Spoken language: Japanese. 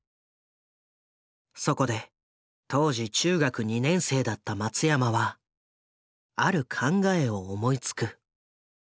そこで当時中学２年生だった松山はある考えを思いつく。